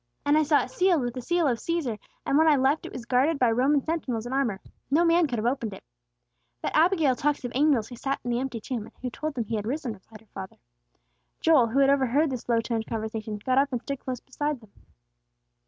And I saw it sealed with the seal of Cæsar; and when I left it was guarded by Roman sentinels in armor. No man could have opened it." "But Abigail talks of angels who sat in the empty tomb, and who told them He had risen," replied her father. Joel, who had overheard this low toned conversation, got up and stood close beside them.